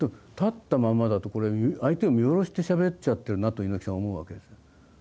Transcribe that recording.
立ったままだとこれ相手を見下ろしてしゃべっちゃってるなと猪木さん思うわけですよ。